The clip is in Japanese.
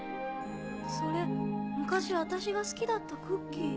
それ昔私が好きだったクッキー。